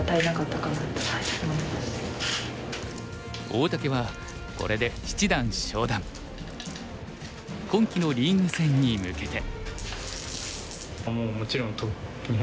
大竹はこれで今期のリーグ戦に向けて。